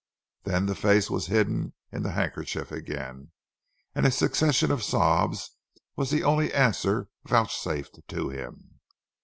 Then the face was hidden in the handkerchief again, and a succession of sobs was the only answer vouchsafed to him.